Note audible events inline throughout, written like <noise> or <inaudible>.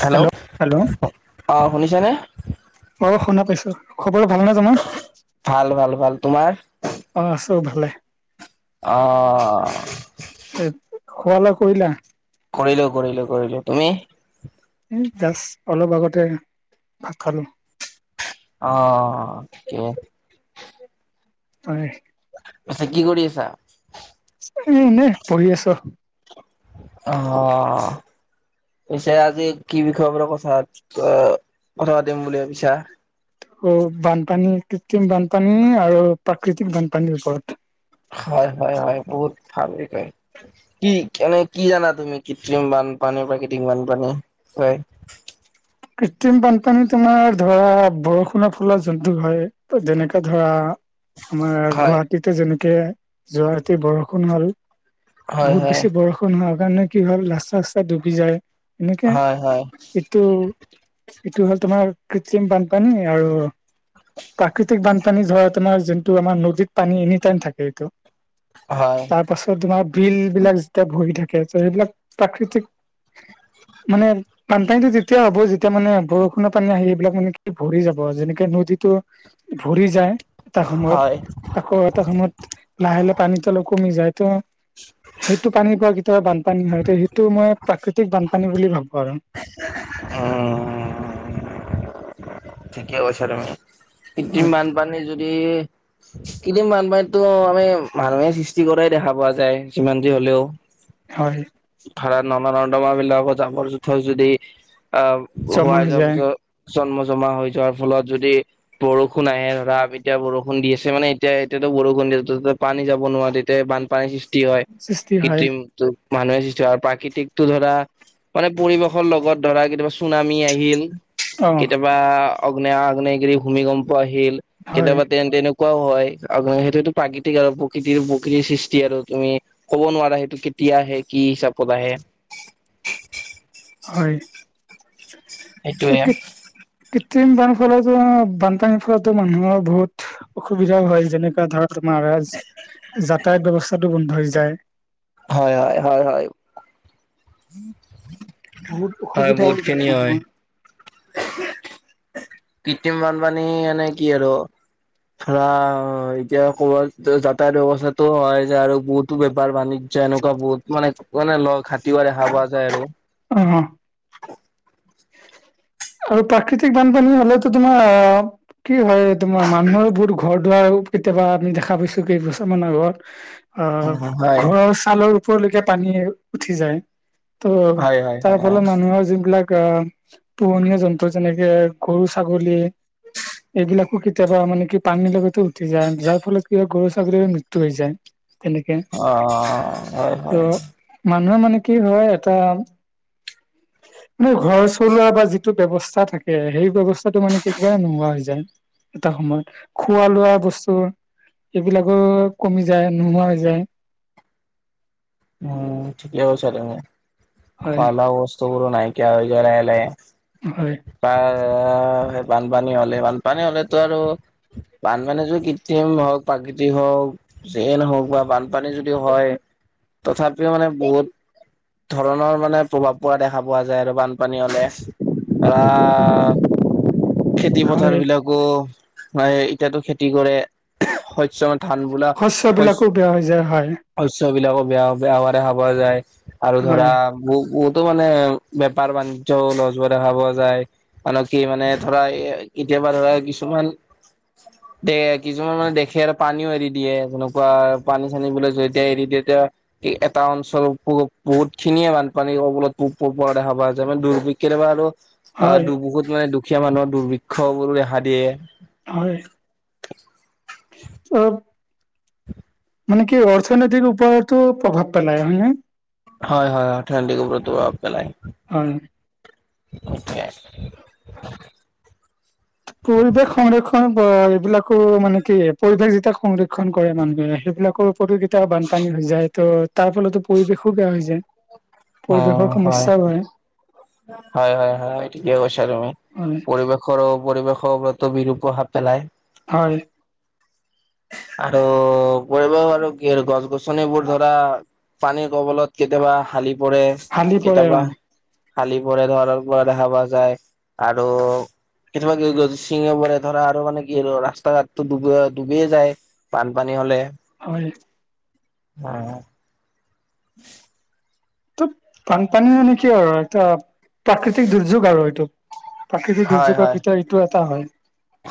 Hello অ শুনিছে নে? অ শুনা পাইছো খবৰ ভাল নে তোমাৰ ভাল ভাল ভাল তোমাৰ অ আছো ভালে অ এ খোৱা লোৱা কৰিলা কৰিলো কৰিলো কৰিলো তুমি উম জাষ্ট অলপ আগতে ভাত খালোঁ অ হয় আচ্ছা কি কৰি আছা এ এনেই পঢ়ি আছো অ পিছে আজি কি বিষয়বোৰৰ কথাত কথা পাতিম বুলি ভাবিছা অ বানপানী কৃত্ৰিম বানপানী আৰু প্ৰাকৃতিক বানপানীৰ ওপৰত হয় হয় হয় বহুত ভালেই <unintelligible> কি এনে কি জানা তুমি কৃত্ৰিম বানপানী প্ৰাকৃতিক বানপানী হয় কৃত্ৰিম বানপানী তোমাৰ ধৰা বৰষুণৰ ফলৰ জন্তু হয় যেনেকে ধৰা আমাৰ হয় গুৱাহাটীতে যেনেকে যোৱা ৰাতি বৰষুণ হল হয় বহুত হয় বেছি বৰষুণ হোৱা কাৰণে কি হল ৰাস্তা আস্তা ডুবি যায় এনেকে হয় হয় এইটো এইটো হ'ল তোমাৰ কৃত্ৰিম বানপানী আৰু প্ৰাকৃতিক বানপানী ধৰাক তোমাৰ যোনটো আমাৰ নদীত পানী এনি টাইম থাকে এইটো হয় তাৰপাছত তোমাৰ বিল বিলাক যেতিয়া ভৰি থাকে ত' সেইবিলাক প্ৰাকৃতিক মানে বানপানীটো তেতিয়া হ'ব যেতিয়া মানে বৰষুণৰ পানী আহি এইবিলাক মানে ভৰি যাব যেনেকে নদীটো ভৰি যায় এটা হয় সময়ত হয় আকৌ এটা সময়ত লাহে লাহে পানীতো অলপ কমি যায় তো সেইটো পানী কোৱা কেতিয়াবা বানপানী হয় সেইটো মই প্ৰাকৃতিক বানপানী বুলি ভাবো আৰু উম উম ঠিকে কৈছা তুমি কৃত্ৰিম হয় বানপানী যদি কৃত্ৰিম বানপানীতো আমি মানুহে সৃষ্টি কৰাই দেখা পোৱা যায় যিমান যি হ'লেও হয় ধৰা নলা নৰ্দমা বিলাকৰ জাবৰ জোথৰ যদি আহ জমা হোৱাই হৈ যোৱাৰ যায় পিছত জন্ম জমা হৈ যোৱাৰ ফলত যদি বৰষুণ আহে ধৰা এতিয়া বৰষুণ দি আছে মানে এতিয়া এতিয়াতো বৰষুণ দি আছে ত পানী যাব নোৱাৰে তে বানপানীৰ সৃষ্টি হয় সৃষ্টি হয় কৃত্ৰিম টো মানুহে সৃষ্টি আৰু প্ৰাকৃতিক টো ধৰা মানে পৰিৱেশৰ লগত ধৰা কেতিয়াবা চুনামি আহিল অ কেতিয়াবা অগ্নে আগ্নেয়গিৰি, ভূমিকম্প আহিল হয় কেতিয়াবা তেন তেনে কুৱাও হয় আৰু সেইটোটো প্ৰাকৃতিক আৰু প্ৰকৃতিৰ প্ৰকৃতিৰ সৃষ্টি আৰু তুমি ক'ব নোৱাৰা সেইটো কেতিয়া আহে কি হিচাপত আহে হয়! সেইটোয়ে <unintelligible> কৃত্ৰিম বান ফলতো, বানপানীৰ ফলতো, মানুহৰ বহুত অসুবিধাও হয়। যেনেকা ধৰক, <unintelligible> যাতায়াত ব্যৱস্থাটো বন্ধ হৈ যায়। হয়, হয়, হয়, হয়! বহুত হয় অসুবিধাও বহুত হয়, খিনি মানুহৰ। কৃত্ৰিম বানপানী, মানে কি আৰু! ধৰা, এতিয়া ক'ৰবাত, যাতায়ত ব্যৱস্থাটো হয়। যে, আৰু বহুতো বেপাৰ-বাণি যে এনেকুৱা বহুত মানে, মানে লগ, <unintelligible> দেখা পোৱা যায় আৰু। অ'! আৰু প্ৰাকৃতিক বানপানী হ'লেতো, তোমাৰ কি হয় তোমাৰ! মানুহৰ বহুত ঘৰ-দুৱাৰ, কেতিয়াবা আমি দেখা পাইছোঁ, কেইবছৰমানৰ আগত। অ'! হয় ঘৰৰ ছালৰ ওপৰলৈকে, পানী উঠি যায়। ত' হয় হয় হয় হয় হয় তাৰফলত, মানুহৰ যিবিলাক, অ' পোহনীয়া জন্তু, যেনেকে-গৰু-ছাগলী। এইবিলাকো, কেতিয়াবা মানে কি! পানীৰ লগত উটি যায়। যাৰফলত, কি হয়! গৰু, ছাগলীৰ মৃত্যু হৈ যায়। তেনেকে অ'! হয়, হয়। মানুহে মানে, কি হয়! এটা, মানে ঘৰ চলোৱা বা যিটো ব্যৱস্থা থাকে, সেই ব্যৱস্থাটো মানে, কি কৰে, নোহোৱা হৈ যায়। এটা সময়ত। খোৱা-লোৱা বস্তু, এইবিলাকো কমি যায়, নোহোৱা হৈ যায়। উম, ঠিকে কৈছা তুমি! হয়। খোৱা-লোৱা বস্তুবোৰো নাইকীয়া হৈ যায়, লাহে-লাহে। হয়! <unintelligible> বানপানী হ'লে, বানপানী হ'লেতো আৰু বানপানী যি, কৃত্ৰিম হওঁক, প্ৰাকৃতিক হওঁক, যিয়ে নহওঁক বা বান পানী যদি হয়! তথাপিও মানে, বহুত ধৰণৰ মানে, প্ৰভাৱ পৰা দেখা পোৱা যায় আৰু বান পানী হ'লে। আঁ খেতি পথাৰ হয় বিলাক আকৌ, এতিয়াতো খেতি কৰে। শৈস্য ধান বোলা, শস্য বিলাকো শৈস্য। বেয়া হৈ যায় হয় শস্য বিলাকো বেয়া-বেয়া হোৱা দেখা পোৱা যায়। আৰু হয় ধৰা, বহু-বহুতো মানে, বেপাৰ-বাণিজ্য <unintelligible> হোৱা, দেখা পোৱা যায়। মানে, কি মানে, ধৰা এ, কেতিয়াবা ধৰা কিছুমান দে কিছুমান মানে, দেশেৰ পানীও এৰি দিয়ে। যেনেকুৱা, পানী-চানী বিলাক যেতিয়া এৰি দিয়ে, তেতিয়া, এ, এটা অঞ্চল বহু, বহুত খিনিয়ে বানপানীৰ কবলত <unintelligible> পৰা দেখা পোৱা যায়। মানে, দুৰ্ভি কেতিয়াবা আৰু হয় আঁ বহুত মানে, দুখীয়া মানুহৰ দুৰ্ভিক্ষবোৰো দেখা দিয়ে। হয়! অ'! মানে কি, অৰ্থনৈতিক ওপৰতো প্ৰভাৱ পেলায়, হয়নে? হয়, হয়! আৰ্থনৈতিক ওপৰতো প্ৰভাৱ পেলাই। হয়! <unintelligible> পৰিৱেশ সংৰক্ষণ, <unintelligible> এইবিলাকো মানে, কি! পৰিৱেশ যেতিয়া, সংৰক্ষণ কৰে মানুহে, সেইবিলাকৰ <unintelligible> বানপানী হৈ যায়। ত' তাৰ ফলতো, পৰিৱেশো বেয়া হৈ যায়। পৰিৱেশৰ সমস্যা হয়। হয়, হয়, হয়! ঠিকেই কৈছা, তুমি। <unintelligible> হয় পৰিৱেশৰো, পৰিৱেশৰ ওপৰতো বিৰূপ প্ৰভাৱ পেলায়। হয়। আৰু কৰিব আৰু কি আৰু গছ গছনিবোৰ ধৰা পানীৰ কবলত কেতিয়াবা হালি পৰে হালি পৰে কেতিয়াবা অ হালি পৰা <unintelligible> পৰা দেখা পোৱা যায়, আৰু কেতিয়াবা <unintelligible> পৰে ধৰা আৰু মানে কি আৰু ৰাস্তা ঘাটটো ডুব বিয়ে যায় বানপানী হ'লে। হয়। অ' অ'। <unintelligible> ত' বানপানী মানে কি আৰু এটা প্ৰাকৃতিক দুৰ্যোগ আৰু এইটো। প্ৰাকৃতিক হয় দুৰ্যোগৰ ভিতৰত এইটো এটা হয়।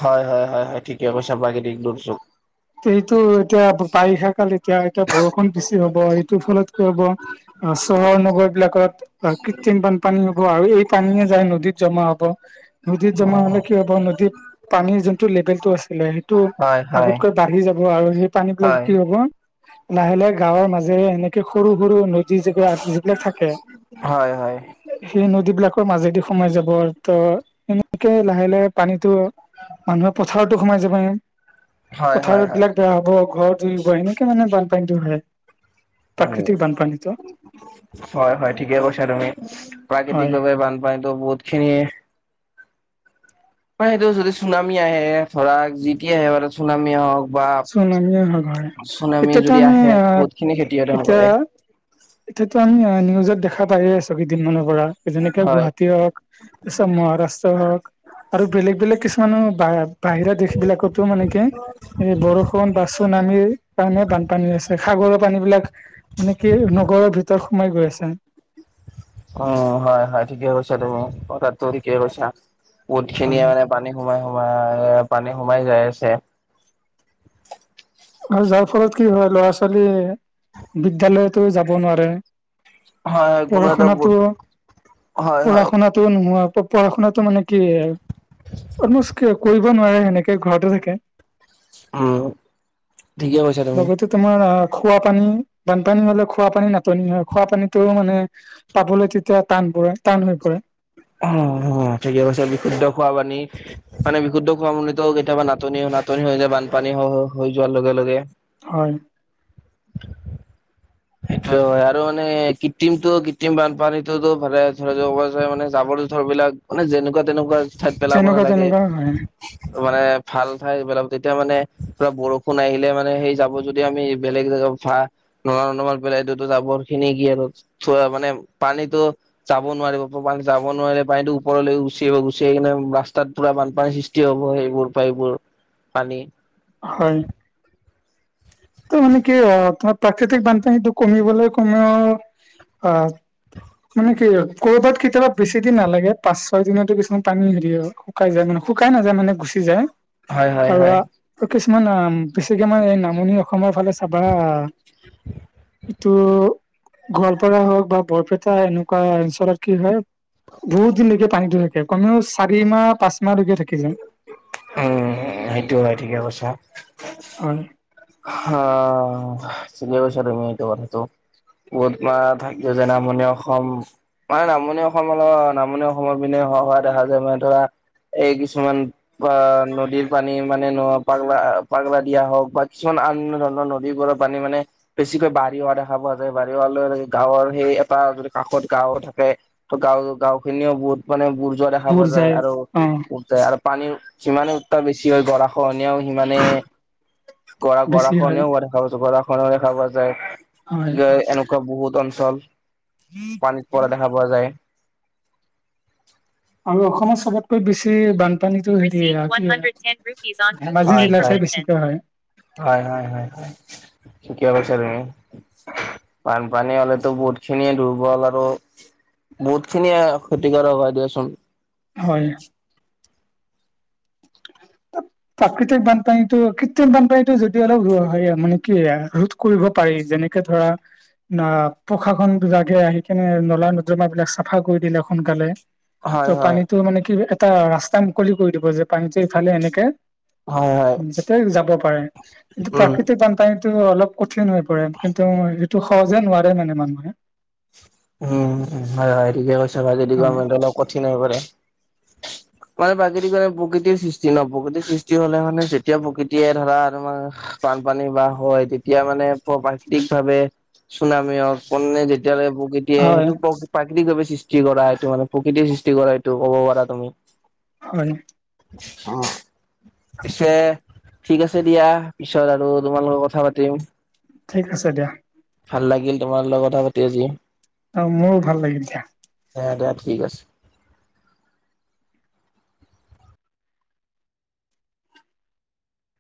হয় হয় হয় হয় ঠিকে কৈছা প্ৰাকৃতিক দুৰ্যোগ। এইটো এতিয়া বা-বাৰিষা কাল এতিয়া এতিয়া বৰষুণ বেছি হ'ব, এইটোৰ ফলত কি হ'ব অ' চহৰ নগৰ বিলাকত কৃত্ৰিম বানপানী হ'ব, আৰু এই পানীয়ে যায় নদীত জমা হব। নদীত জমা হ'লে কি হ'ব নদীত পানীৰ যোনটো লেভেলটো আছিলে সেইটো হয় হয়। আগতকৈ বাঢ়ি যাব, আৰু সেই পানী বিলাকে হয় কি হ'ব লাহে লাহে গাঁৱৰ মাজেৰে এনে কে সৰু সৰু নদী যিবিলাক যিবিলাক থাকে হয় হয় হয় সেই নদীবিলাকৰ মাজেদি সোমাই যাব, ত' এনেকে লাহে লাহে পানীতো মানুহৰ পথাৰতো সোমাই যাব হয় হয় হয় পথাৰতবিলাক বেয়া হ'ব, ঘৰত জুৰিব, এনেকে মানে বানপানীটো হয়। উম প্ৰাকৃতিক বানপানীটো হয় হয় ঠিকে কৈছা তুমি, প্ৰাকৃতিক হয় ভাৱে বানপানীতো বহুত খিনি হয় সেইটো যদি চুনামি আহে, ধৰা যি টি আহে বাৰু চুনামিয়ে হওঁক চুনামি অহা ঘৰে, এতিয়াতো যদি আমি আহে আ বহুত খিনি খেতি সাধন এতিয়া কৰে এতিয়াতো আমি অ' নিউজত দেখা পায়ে আছোঁ কেইদিনমানৰ পৰা, যেনেকে হয় গুৱাহাটীয়ে হওঁক পিছত মহাৰাষ্ট্ৰ হওঁক আৰু বেলেগ বেলেগ কিছুমানো বা-বাহিৰা দেশ বিলাকতো মানে কি এই বৰষুণ বা চুনামি টাউনত বানপানী হৈছে, সাগৰৰ পানী বিলাক মানে কি নগৰৰ ভিতৰত সোমাই গৈ আছে। অ' হয় হয় ঠিকে কৈছা তুমি, কথাটো ঠিকে কৈছা, বহুত খিনিয়ে হয় মানে পানী সোমাই সোমাই পানী সোমাই যাই আছে। আৰু যাৰ ফলত কি হয় ল'ৰা ছোৱালীয়ে বিদ্যালয়টো যাব নোৱাৰে। হয় হয় কোনো পঢ়া এটা বুট শুনাতো, হয় পঢ়া হয় শুনাত টো নোহোৱা হ'ব, পঢ়া শুনাতো মানে কি অলমষ্ট কিয় কৰিব নোৱাৰে সেনেকে ঘৰতে থাকে। উম, ঠিকে কৈছা তুমি। লগতে তোমাৰ আ, খোৱাপানী বানপানী হ'লে খোৱাপানী নাটনি হয়, খোৱাপানীটো মানে পাবলৈ তেতিয়া টান পৰে, টান হৈ পৰে। অ' অ' ঠিকে কৈছা বিশুদ্ধ খোৱা পানী মানে বিশুদ্ধ খোৱা পানীতো কেতিয়াবা নাটনি নাটনি হৈ যায় বানপানী হৈ-হৈ হৈ যোৱাৰ লগে লগে। হয়। সেইটোয়ে হয়, আৰু মানে কৃত্ৰিমটো কৃত্ৰিম বানপানীটো <unintelligible> মানে জাবৰ জোথৰ বিলাক মানে যেনেকুৱা তেনেকুৱা ঠাইত পেলাব তেনেকুৱা নালাগে তেনেকুৱা হয় মানে ভাল ঠাইত পেলাব, তেতিয়া মানে পুৰা বৰষুণ আহিলে মানে সেই জাবৰ জোথ যদি আমি বেলেগ জাগা বা নলা নৰ্দমাত পেলাই দিওঁ, জাবৰ খিনি কি আৰু থোৱা মানে পানীটো যাব নোৱাৰিব, পা পানী যাব নোৱাৰিলে পানীত ওপৰলৈ গুচি আহিব, গুচি আহি কিনে ৰাস্তাত পুৰা বানপানী সৃষ্টি সৃষ্টি হ'ব, এইবোৰৰ পৰা এইবোৰ পানী হয়',। ত' মানে কি অ' তোমাৰ প্ৰাকৃতিক বানপানীটো কমিবলৈ কমেওঁ অ' মানে কি হয় কৰ'বাত কেতিয়াবা বেছি দিন নালাগে। পাঁচ ছয় দিনতো কিছুমান পানী হেৰি হয়। শুকাই যায়, মানে শুকাই নাযায় মানে গুচি যায়। হয় হয় হয় আৰু কিছুমান বেছিকে মানে এই নামনি অসমৰ ফালে চাবা ত' গোৱালপাৰা হওক বা বৰপেটা এনেকুৱা অঞ্চলত কি হয় বহুত দিনলৈকে পানী থাকে, কমেওঁ চাৰি মাহ পাঁচ মাহকে থাকে। উম', সেইটো হয় ঠিকে কৈছা। হয়',। হ' ঠিকেই কৈছা তুমি এইটো কথাটো। কত বা থাকিব যেনে নামনি অসম। মানে নামনি অসম অলপ নামনি অসমৰ পিনে হোৱা দেখা যায়, মানে ধৰা এই কিছুমান অ' নদীৰ পানী মানে পাগলা পাগলা দিয়া হওক বা কিছুমান আন ধৰণৰ নদীবোৰৰ পানী মানে বেছিকৈ বাৰি অহা দেখা পোৱা যায়, বাঢ়ি অহালৈ গাঁৱৰ সেই এটা যদি কাষত গাওঁ থাকে। ত' গাঁও- গাঁও খিনিও বহুত মানে বুৰ যোৱা দেখা পোৱা যায়, আৰু আৰু পানীৰ সিমানে উত্তৰ বেছি হয় গৰা খহনীয়াও সিমানে গৰা- বেছি হয় গৰাখনেও হোৱা দেখা পোৱা যায় গৰাখনেও দেখা পোৱা হয় যায়, এনেকুৱা বহুত অঞ্চল পানীত পৰা দেখা পোৱা যায়। আৰু অসমত চবতকৈ বেছি বানপানীতটো হে ধেমাজি জিলাৰত হয় হে হয় বেছি কৈ হয়। হয়', হয়', হয়', ঠিকেই কৈছা তুমি। বানপানী হ'লেতো বহুত খিনিয়ে দুৰ্বল আৰু বহুত খিনিয়ে ক্ষতিকাৰক হয় দিয়চোন। হয়',। প্ৰাকৃতিক বানপানীটো কৃত্ৰিমতো বানপানীটো যদি অলপ ৰিয়া হৈ মানে কি কৰিব পাৰি যেনেকে ধৰা প্ৰশাসন বিলাগে আহি কেনে নলা-নৰ্দমা বিলাক চাফা কৰি দিলে সোনকালে হয় ত' হয় পানীটো মানে কি এটা ৰাস্তা মুকলি কৰি দিব যে, পানীটো ইফালে এনেকে- হয় হয় যাতে যাব পাৰে। এইটো কিন্তু উম প্ৰাকৃতিক বান তাইটো অলপ কঠিন হৈ পৰে, কিন্তু এইটো সহজে নোৱাৰে মানে মানুহে। উম', হয়', হয়', ঠিকেই কৈছা যদিগে হয় অলপ কঠিন হৈ পৰে। মানে প্ৰাকৃতিক মে প্ৰকৃতিৰ সৃষ্টি ন', প্ৰকৃতিৰ সৃষ্টি হ'লে মানে যেতিয়া প্ৰকৃতিয়ে ধৰা তমাৰ বানপানী বা হয় তেতিয়া মানে প্ৰাকৃতিক ভাৱে চুনামি হক পণে যেতিয়ালৈ এতিয়া হয় সেইটো প্ৰাকৃতিক ভাৱে সৃষ্টি কৰা, সেইটো মানে প্ৰকৃতিৰ সৃষ্টি কৰা সেইটো ক'ব পাৰা তুমি। হয়',। অ',। পিছে, ঠিক আছে দিয়া, পিছত আৰু তোমাৰ লগত কথা পাতিম। ঠিক আছে দিয়া। ভাল লাগিল তোমাৰ লগত কথা পাতি আজি। অ মোৰো ভাল লাগিল দিয়া। অ, দিয়া ঠিক আছে।